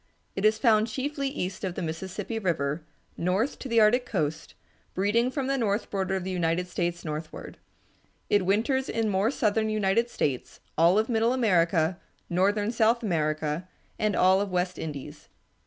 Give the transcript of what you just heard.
It is found chiefly east of the Mississippi River, north to the Arctic coast, breeding from the north border of the United States northward. It winters in more southern United States, all of middle America, northern South America, and all of West Indies.